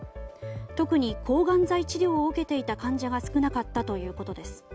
特に抗がん剤治療を受けていた患者が少なかったということです。